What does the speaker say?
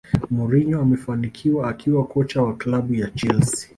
Mourinho amefanikiwa akiwa kocha wa klabu ya chelsea